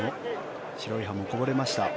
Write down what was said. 白い歯もこぼれました。